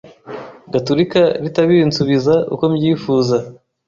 gatulika ritabinsubiza uko mbyifuza